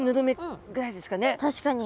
確かに。